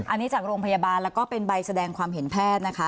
อันนี้จากโรงพยาบาลแล้วก็เป็นใบแสดงความเห็นแพทย์นะคะ